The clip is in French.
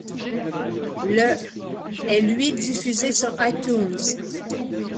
Le ' est lui diffusé sur iTunes.